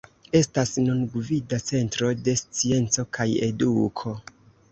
Estas nun gvida centro de scienco kaj eduko.